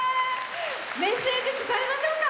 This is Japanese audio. メッセージ、伝えましょうか。